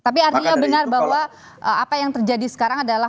tapi artinya benar bahwa apa yang terjadi sekarang adalah